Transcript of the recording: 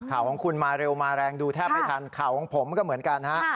ข่าวของคุณมาเร็วมาแรงดูแทบไม่ทันข่าวของผมก็เหมือนกันฮะ